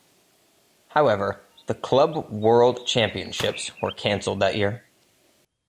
However, the Club World Championships were cancelled that year.